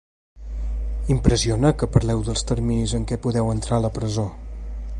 Impressiona que parleu dels terminis en què podeu entrar a la presó.